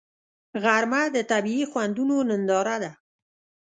غرمه د طبیعي خوندونو ننداره ده